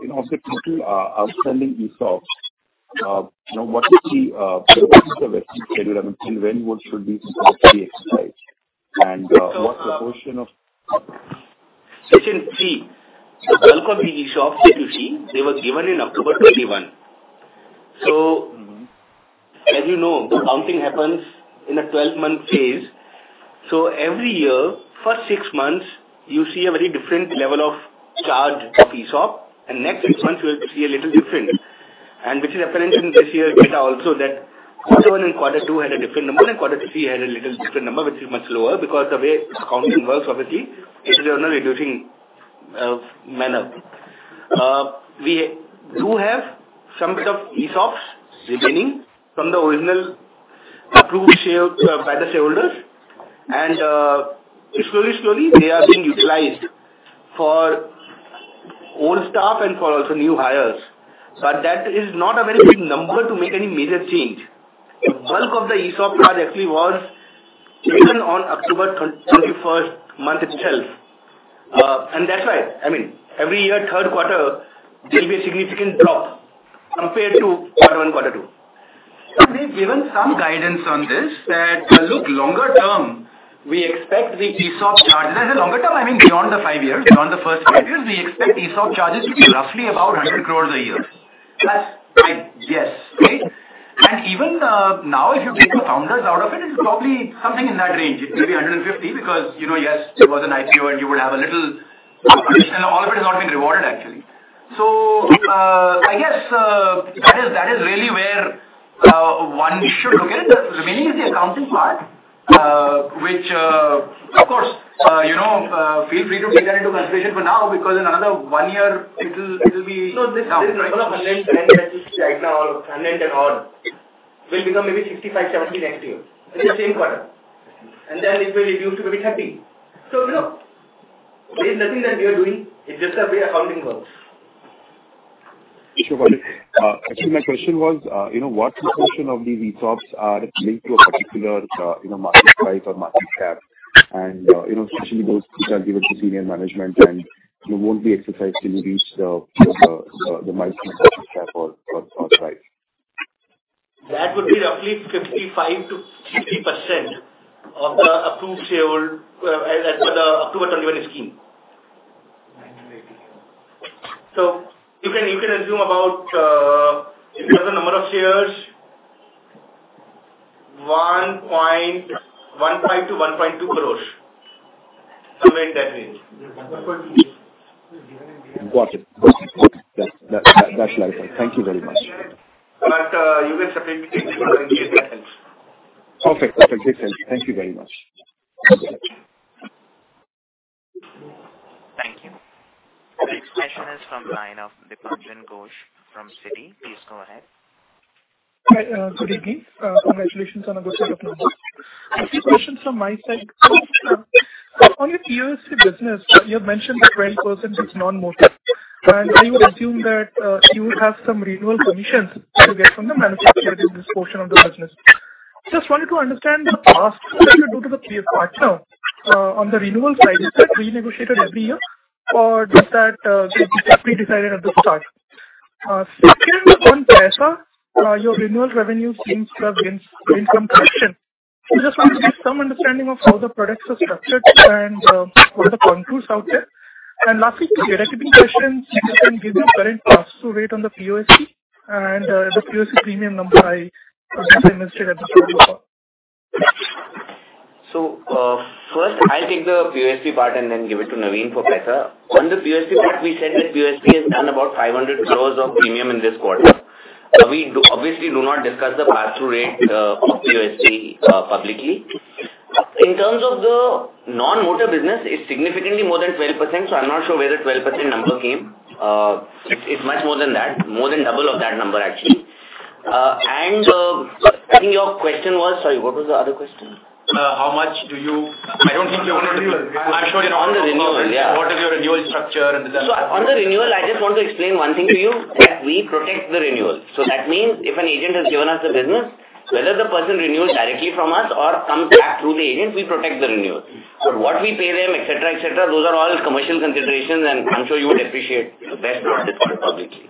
you know, of the total outstanding ESOPs, you know, what is the schedule? I mean, till when what should be to be exercised? What's the portion of You can see the bulk of the ESOPs that you see, they were given in October 2021. As you know, the counting happens in a 12-month phase. Every year for six months you see a very different level of charge of ESOP, and next six months you will see a little different. Which is apparent in this year data also that quarter one and quarter two had a different number, and quarter three had a little different number, which is much lower because the way accounting works, obviously, it is on a reducing manner. We do have some bit of ESOPs remaining from the original approved by the shareholders. Slowly, they are being utilized for old staff and for also new hires. That is not a very big number to make any major change. The bulk of the ESOP charge actually was given on October 21st month itself. That's why, I mean, every year, third quarter there'll be a significant drop compared to quarter one, quarter two. We've given some guidance on this that look longer term, As a longer term, I mean, beyond the five years. Beyond the first five years, we expect ESOP charges to be roughly about 100 crores a year. That's my guess. Right? Even now if you take the founders out of it's probably something in that range. It may be 150 because, you know, yes, there was an IPO and you would have a little appreciation and all of it has not been rewarded actually. One should look at the remaining is the accounting part, which, of course, you know, feel free to take that into consideration for now because in another one year it'll be. This number of 100 and there is right now all of 100 odd, it will become maybe 65, 70 next year. It's the same quarter. It will reduce to maybe 30. You know, there is nothing that we are doing. It's just the way accounting works. Sure. Actually my question was, you know, what proportion of these VSOPs are linked to a particular, you know, market price or market cap and, you know, especially those which are given to senior management and, you know, won't be exercised till you reach the maximum market cap or price. That would be roughly 55%-60% of the approved shareholder, as per the approved 21 scheme. 9.80. You can assume about if you have the number of shares, INR 1.1-1.2 crores. Somewhere in that range. Yeah. 1.2. Got it. That's clarified. Thank you very much. you can separate between Perfect. Perfect. Thanks, then. Thank you very much. Thank you. The next question is from the line of Dipanjan Ghosh from Citi. Please go ahead. Hi. Good evening. Congratulations on a good set of numbers. A few questions from my side. On your PoSP business, you have mentioned that 12% is non-motor. I would assume that you have some renewal commissions to get from the manufacturer in this portion of the business. Just wanted to understand the pass through that you do to the PoSP partner on the renewal side. Is that renegotiated every year or does that get pre-decided at the start? Second on Paisabazaar, your renewal revenue seems to have been in some correction. I just want to get some understanding of how the products are structured and what are the controls out there. Lastly, two derivative questions. If you can give me the current pass through rate on the PoSP and the PoSP premium number I missed at the start of the call. First I'll take the PoSP part and then give it to Naveen for Paisa. On the PoSP part, we said that PoSP has done about 500 crores of premium in this quarter. We obviously do not discuss the pass through rate of PoSP publicly. In terms of the non-motor business, it's significantly more than 12%, so I'm not sure where the 12% number came. It's much more than that, more than double of that number actually. I think your question was. Sorry, what was the other question? I don't think you want to disclose. I'm sure you don't want to disclose it, yeah. What is your renewal structure? On the renewal, I just want to explain one thing to you, that we protect the renewal. That means if an agent has given us the business, whether the person renews directly from us or comes back through the agent, we protect the renewal. What we pay them, et cetera, et cetera, those are all commercial considerations, and I'm sure you would appreciate best not to call it publicly.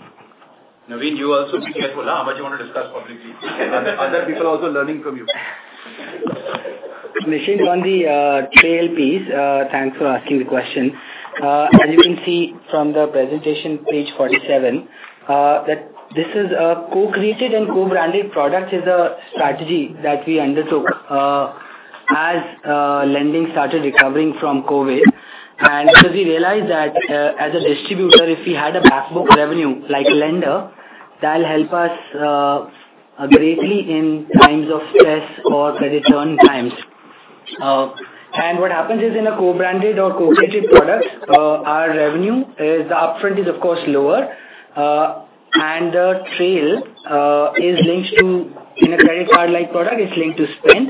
Naveen, you also be careful how much you want to discuss publicly. Other people are also learning from you. Nischint, on the trail piece, thanks for asking the question. As you can see from the presentation page 47, that this is a co-created and co-branded product is a strategy that we undertook as lending started recovering from COVID. Because we realized that as a distributor, if we had a back book revenue like lender, that'll help us greatly in times of stress or credit turn times. What happens is in a co-branded or co-created product, our revenue is upfront is of course lower. The trail is linked to, in a credit card like product, is linked to spend.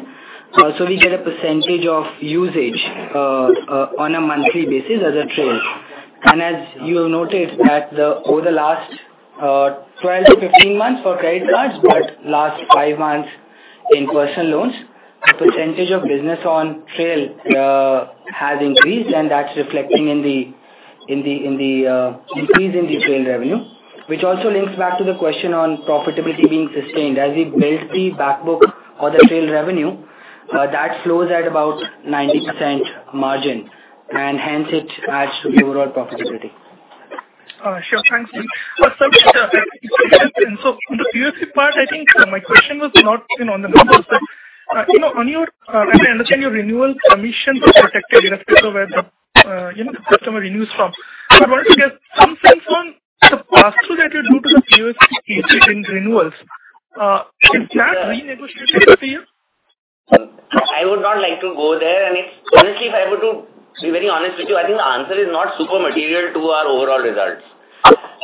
We get a percent of usage on a monthly basis as a trail. As you have noticed that over the last 12 to 15 months for credit cards, but last five months in personal loans, the percentage of business on trail has increased, and that's reflecting in the increase in the trail revenue. Which also links back to the question on profitability being sustained. As we build the back book or the trail revenue that flows at about 90% margin, and hence it adds to the overall profitability. Sure. Thanks, Naveen. Sir, so the PoSP part, I think my question was not, you know, on the numbers but, you know, on your, I understand your renewal commission is protected irrespective of where the, you know, the customer renews from. I wanted to get some sense on the pass through that you do to the PoSP in renewals. Is that renegotiated every year? I would not like to go there. Honestly, if I were to be very honest with you, I think the answer is not super material to our overall results.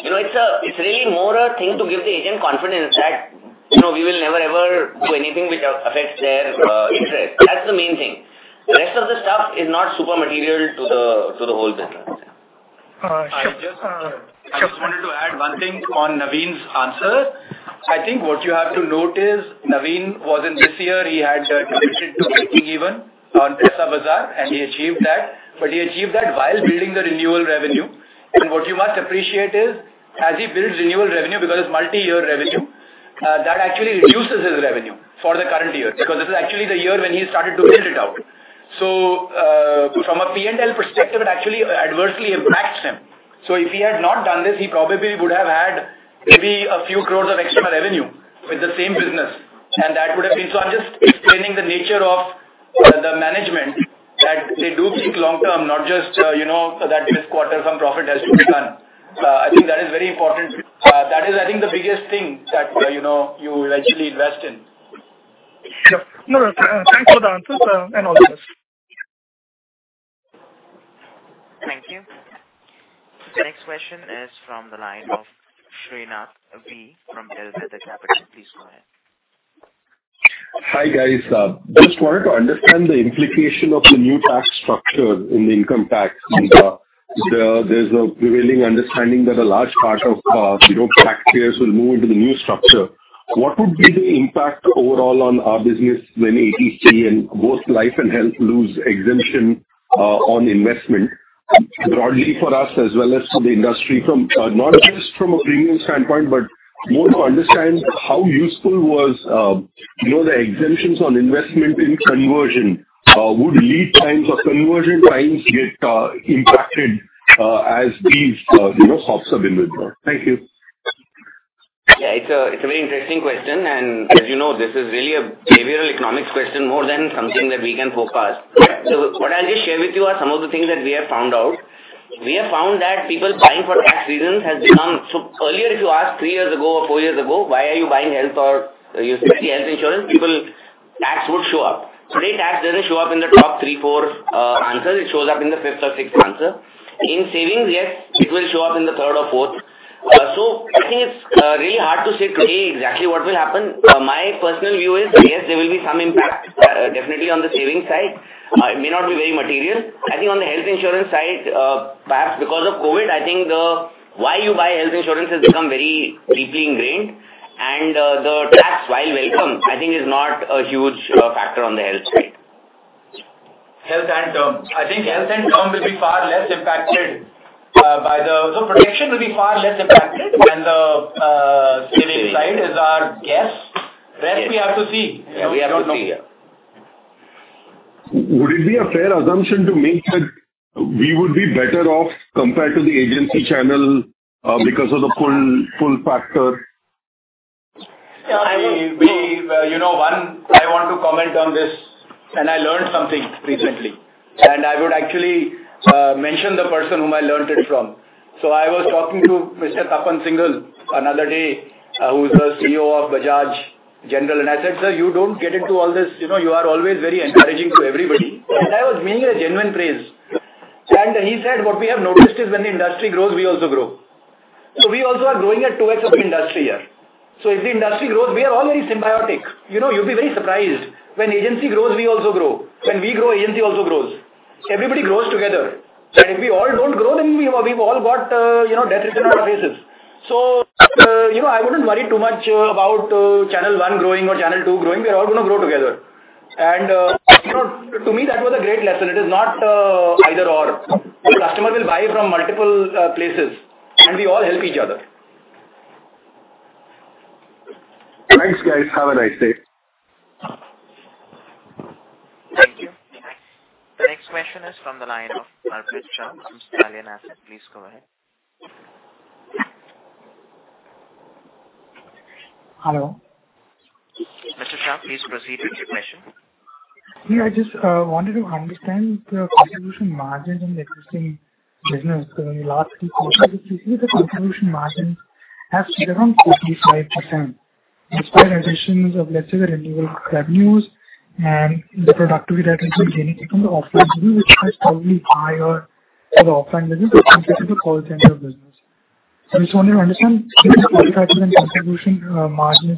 You know, it's really more a thing to give the agent confidence that, you know, we will never ever do anything which affects their interest. That's the main thing. The rest of the stuff is not super material to the whole business. Sure. I just wanted to add one thing on Naveen's answer. I think what you have to note is Naveen was in this year, he had committed to breaking even on Paisabazaar, and he achieved that. He achieved that while building the renewal revenue. What you must appreciate is, as he builds renewal revenue, because it's multi-year revenue, that actually reduces his revenue for the current year. Because this is actually the year when he started to build it out. From a P&L perspective, it actually adversely impacts him. If he had not done this, he probably would have had maybe a few crores of extra revenue with the same business. That would have been. I'm just. That is very important. That is, I think, the biggest thing that, you know, you will actually invest in. Yeah. No, no. Thanks for the answers, and all the best. Thank you. The next question is from the line of Srinath V from Bellwether Capital. Please go ahead. Hi, guys. Just wanted to understand the implication of the new tax structure in the income tax. There, there's a prevailing understanding that a large part of, you know, taxpayers will move into the new structure. What would be the impact overall on our business when 10(10D) and both life and health lose exemption, on investment broadly for us as well as for the industry, not just from a premium standpoint, but more to understand how useful was, you know, the exemptions on investment in conversion. Would lead times or conversion times get impacted, as these, you know, sorts of inward brought? Thank you. It's a very interesting question. As you know, this is really a behavioral economics question more than something that we can forecast. What I'll just share with you are some of the things that we have found out. We have found that people buying for tax reasons has become. Earlier if you asked three years ago or four years ago, why are you buying health or, you know, simply health insurance, tax would show up. Today, tax doesn't show up in the top three, four answers. It shows up in the fifth or sixth answer. In savings, yes, it will show up in the third or fourth. I think it's really hard to say today exactly what will happen. My personal view is yes, there will be some impact, definitely on the savings side. It may not be very material. I think on the health insurance side, perhaps because of COVID, I think the why you buy health insurance has become very deeply ingrained. The tax, while welcome, I think is not a huge factor on the health side. Health and term. I think health and term will be far less impacted. The protection will be far less impacted than the savings side is our guess. Rest we have to see. Yeah, we have to see. Yeah. Would it be a fair assumption to make that we would be better off compared to the agency channel because of the pull factor? Yeah. I believe, you know, one, I want to comment on this. I learned something recently. I would actually mention the person whom I learned it from. I was talking to Mr. Tapan Singhel another day, who's the CEO of Bajaj General. I said, "Sir, you don't get into all this. You know, you are always very encouraging to everybody." I was meaning a genuine praise. He said, "What we have noticed is when the industry grows, we also grow." We also are growing at 2x of the industry here. If the industry grows, we are all very symbiotic. You know, you'll be very surprised. When agency grows, we also grow. When we grow, agency also grows. Everybody grows together. If we all don't grow, then we've all got, you know, death written on our faces. You know, I wouldn't worry too much about channel one growing or channel two growing. We're all gonna grow together. You know, to me that was a great lesson. It is not either/or. The customer will buy from multiple places, and we all help each other. Thanks, guys. Have a nice day. Thank you. The next question is from the line of Arpit Shah from Stallion Asset. Please go ahead. Hello. Mr. Shah, please proceed with your question. Yeah. I just wanted to understand the contribution margins in the existing business because in the last three quarters we see the contribution margins have stayed around 45% despite additions of, let's say, the renewable revenues and the productivity that has been gaining from the offline business which is probably higher for the offline business compared to the call center business. I just wanted to understand if this profile and contribution margin is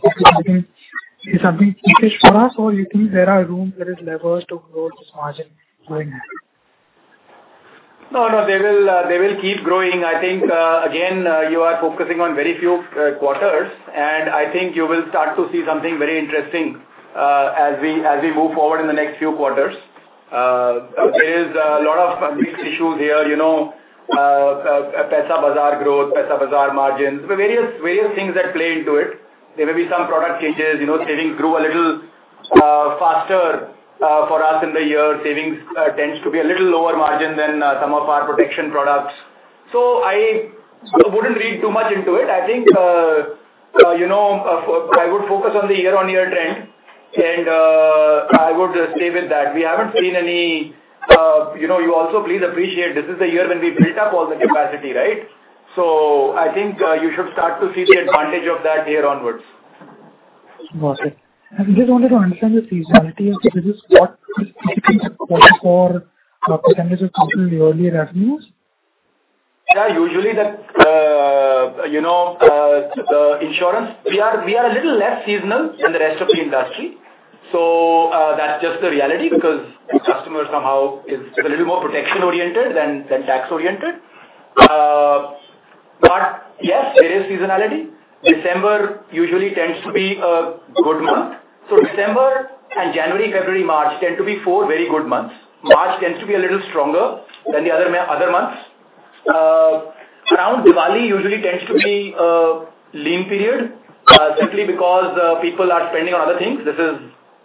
something typical for us or you think there are room, there is leverage to grow this margin going ahead. No, no. They will, they will keep growing. I think, again, you are focusing on very few quarters, and I think you will start to see something very interesting as we, as we move forward in the next few quarters. There is a lot of mixed issues here, you know, Paisabazaar growth, Paisabazaar margins. Various, various things that play into it. There may be some product changes. You know, savings grew a little faster for us in the year. Savings tends to be a little lower margin than some of our protection products. I wouldn't read too much into it. I think, you know, I would focus on the year-on-year trend, and I would stay with that. We haven't seen any. You know, you also please appreciate this is the year when we built up all the capacity, right? I think, you should start to see the advantage of that year onwards. Got it. I just wanted to understand the seasonality of the business. What is typical for % of total yearly revenues? Usually that, you know, insurance we are a little less seasonal than the rest of the industry. That's just the reality because customer somehow is a little more protection-oriented than tax-oriented. Yes, there is seasonality. December usually tends to be a good month. December and January, February, March tend to be four very good months. March tends to be a little stronger than the other months. Around Diwali usually tends to be a lean period, simply because people are spending on other things. This is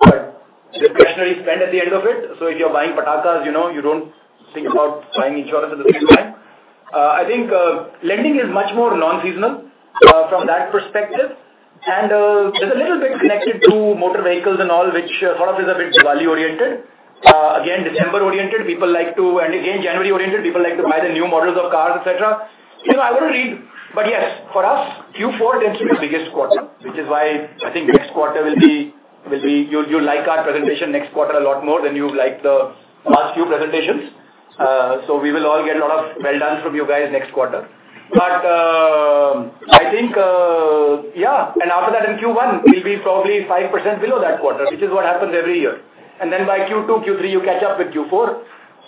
a discretionary spend at the end of it. If you're buying patakas you know, you don't think about buying insurance at the same time. I think lending is much more non-seasonal from that perspective. There's a little bit connected to motor vehicles and all which sort of is a bit Diwali-oriented. December oriented people like to again, January oriented people like to buy the new models of cars, et cetera. You know, I wanna read. Yes, for us, Q4 tends to be the biggest quarter, which is why I think next quarter will be. You'll like our presentation next quarter a lot more than you liked the last few presentations. We will all get a lot of well done from you guys next quarter. I think, yeah. After that in Q1, we'll be probably 5% below that quarter, which is what happens every year. Then by Q2, Q3, you catch up with Q4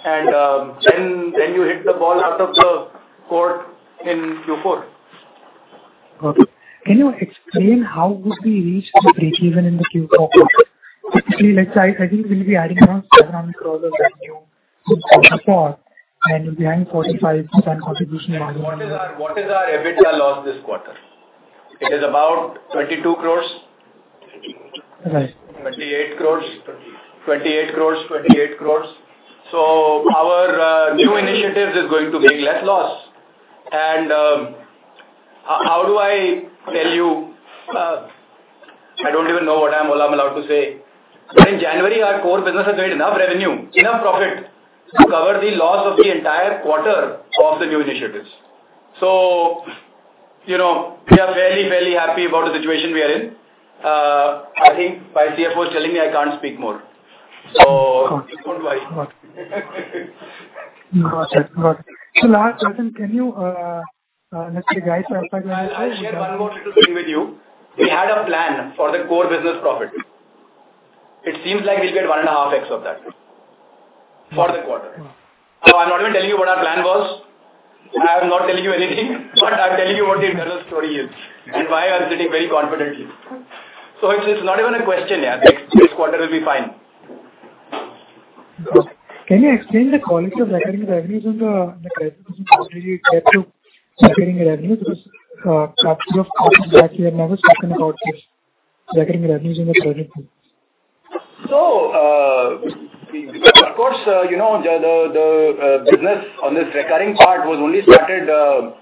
and then you hit the ball out of the court in Q4. Okay. Can you explain how would we reach the breakeven in the Q4 quarter? Basically, let's say, I think we'll be adding around INR 700 crores of revenue in Q4 and behind 45% contribution margin- What is our EBITDA loss this quarter? It is about 22 crores. Right. 28 crores. Our new initiatives is going to be less loss. How do I tell you? I don't even know what I'm all allowed to say. In January, our core business has made enough revenue, enough profit to cover the loss of the entire quarter of the new initiatives. You know, we are very, very happy about the situation we are in. I think my CFO is telling me I can't speak more, just don't worry. Got it. Got it. Last question, can you, let's say, guide us. I'll share one more little thing with you. We had a plan for the core business profit. It seems like we'll get 1.5x of that for the quarter. I'm not even telling you what our plan was. I am not telling you anything, but I'm telling you what the internal story is and why I'm sitting very confidently. It's not even a question, yeah. Next quarter will be fine. Got it. Can you explain the quality of recurring revenues in the presentation compared to recurring revenue? Because, half year of last year numbers talking about this recurring revenues in the present. Of course, you know, the business on this recurring part was only started a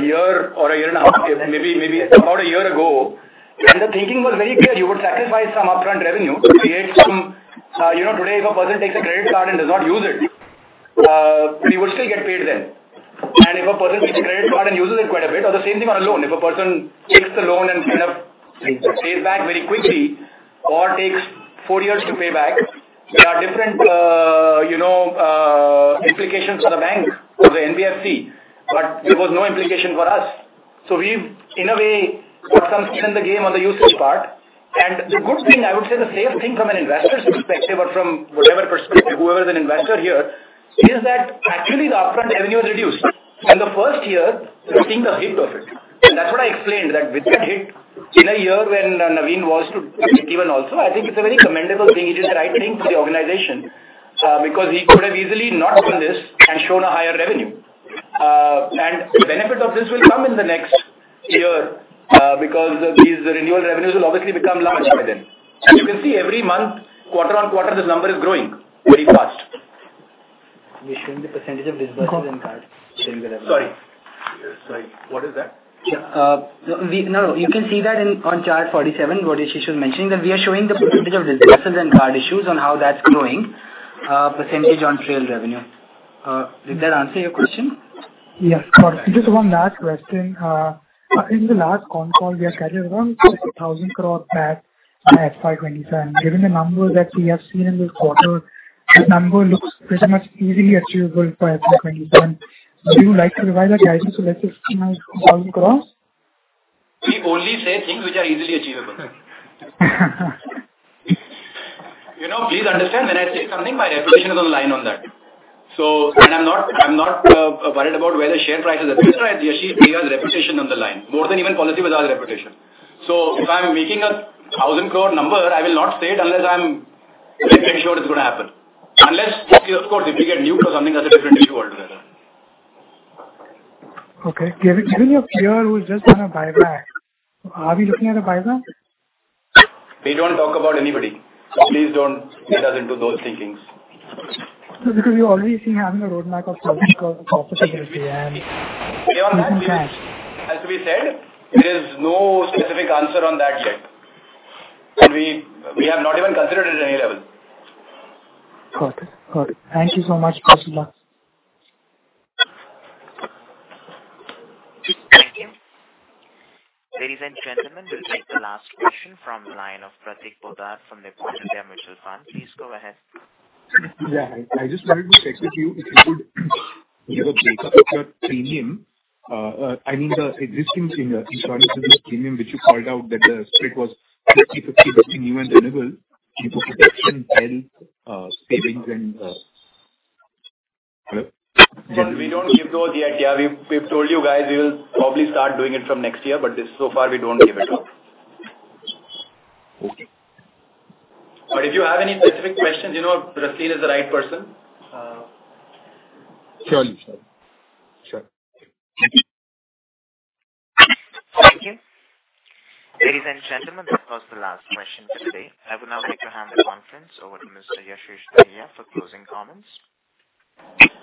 year or a year and a half, maybe about a year ago. The thinking was very clear. You would sacrifice some upfront revenue. You know, today if a person takes a credit card and does not use it, we would still get paid then. If a person takes a credit card and uses it quite a bit or the same thing on a loan, if a person takes the loan and kind of pays back very quickly or takes four years to pay back, there are different, you know, implications for the bank or the NBFC, but there was no implication for us. We've in a way got some skin in the game on the usage part. The good thing, I would say the same thing from an investor's perspective or from whatever perspective, whoever is an investor here, is that actually the upfront revenue is reduced. The first year, I think the hit of it, and that's what I explained, that with that hit in a year when Naveen was to be given also, I think it's a very commendable thing. It is the right thing for the organization because he could have easily not done this and shown a higher revenue. Benefit of this will come in the next year because these renewal revenues will obviously become larger by then. You can see every month, quarter-on-quarter, this number is growing very fast. We're showing the percentage of disbursements and cards showing the revenue. Sorry. Sorry, what is that? Yeah. No, you can see that in, on chart 47, what Yashish was mentioning, that we are showing the percent of disbursements and card issues and how that's growing, percent on trail revenue. Does that answer your question? Yes. Just one last question. I think in the last call we had carried around 6,000 crore PAT at FY 2027. Given the numbers that we have seen in this quarter, that number looks pretty much easily achievable for FY 2027. Would you like to revise that guidance to let's say INR 16,000 crores? We only say things which are easily achievable. You know, please understand, when I say something, my reputation is on the line on that. I'm not worried about whether share price is a bit right. Yashish and we have the reputation on the line more than even Policybazaar's reputation. If I'm making a 1,000 crore number, I will not say it unless I'm very sure it's gonna happen. Unless if, of course, if we get nuke or something, that's a different issue altogether. Okay. Given your peer who is just done a buyback, are we looking at a buyback? We don't talk about anybody. Please don't get us into those thinkings. We already see having a roadmap of INR 12,000 crore of profitability. Beyond that, we have, as we said, there is no specific answer on that yet. We have not even considered it at any level. Got it. Got it. Thank you so much. Best of luck. Thank you. Ladies and gentlemen, we'll take the last question from line of Prateek Poddar from Nippon India Mutual Fund. Please go ahead. Yeah. I just wanted to check with you if you could give a breakup of your premium. I mean, the existing insurance business premium which you called out that the split was 50/50 between you and Tinable, 50/50 between health, savings and. Hello? We don't give those yet, yeah. We've told you guys we will probably start doing it from next year, but this so far we don't give it out. Okay. If you have any specific questions, you know, Prateek is the right person. Sure. Sure. Sure. Thank you. Ladies and gentlemen, that was the last question for today. I would now like to hand the conference over to Mr. Yashish Dahiya for closing comments.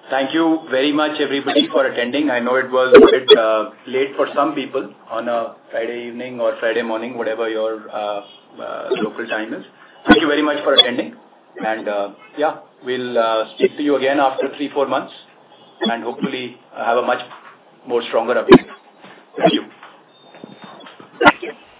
Thank you very much everybody for attending. I know it was a bit late for some people on a Friday evening or Friday morning, whatever your local time is. Thank you very much for attending and, yeah, we'll speak to you again after three, four months and hopefully have a much more stronger update. Thank you. Thank you.